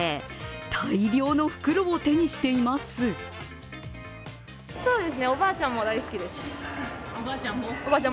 大量の袋を手にしています。